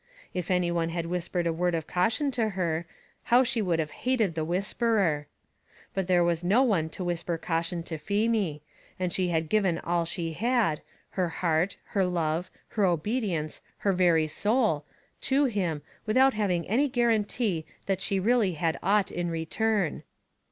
If any one had whispered a word of caution to her, how she would have hated the whisperer! But there was no one to whisper caution to Feemy, and she had given all she had her heart, her love, her obedience, her very soul to him, without having any guarantee that she really had aught in return.